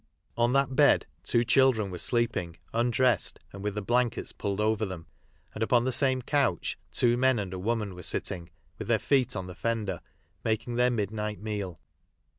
On that bed two children were sleeping, undressed and with the blankets pulled over them, and upon the same couch two men and a woman wore fitting, with (heir feet on the ftuder, making their midnight meal.